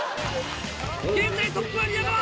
現在トップは宮川！